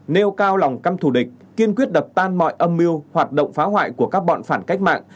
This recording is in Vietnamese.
nêu cao lòng căm thù địch kiên quyết đập tan mọi âm mưu hoạt động phá hoại của các bọn phản cách mạng